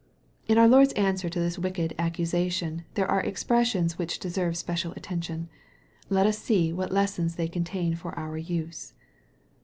In our Lord's answer to this wicked accusation, there are expressions which deserve special attention. Let us see what lessons they contain for our use.